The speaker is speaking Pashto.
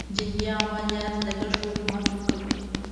جنګي عملیاتو لګښت حکومت ورکوي.